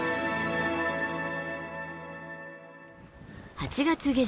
８月下旬。